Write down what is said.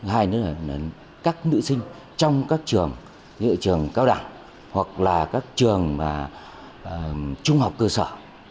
hai nữa là các nữ sinh trong các trường như trường cao đẳng hoặc là các trường trung học cơ sở